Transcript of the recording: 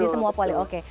di semua polik oke